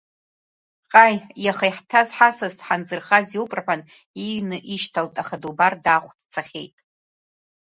Ҟаии, иаха иаҳҭаз ҳасас ҳанзырхаз иоуп рҳәан, иҩны ишьҭалт, аха дубар даахә, дцахьеит.